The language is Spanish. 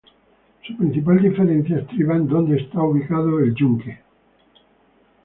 Su principal diferencia estriba en dónde está ubicado el "yunque".